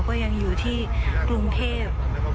ก็ยังอยู่ที่กรุงเทพ